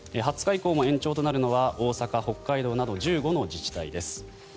２０日以降も延長となるのは大阪、北海道など１５の自治体です。